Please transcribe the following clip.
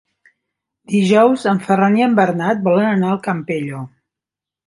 Dijous en Ferran i en Bernat volen anar al Campello.